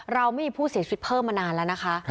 เราไม่มีผู้เสียชีวิตเพิ่มมานานแล้วนะคะ